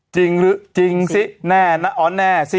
จริงหรือจริงสิแน่นะอ๋อแน่สิ